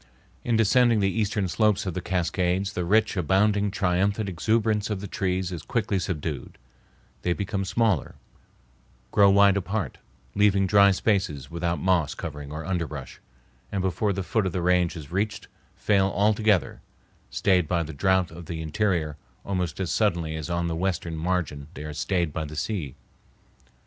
In descending the eastern slopes of the Cascades the rich, abounding, triumphant exuberance of the trees is quickly subdued; they become smaller, grow wide apart, leaving dry spaces without moss covering or underbrush, and before the foot of the range is reached, fail altogether, stayed by the drouth of the interior almost as suddenly as on the western margin they are stayed by the sea.